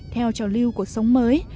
theo trào lưu cuộc sống mới